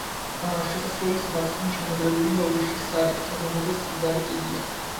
შესასვლელის მარცხნივ ჩამაგრებულია ორი ხის სარი, რომელზეც ზარი კიდია.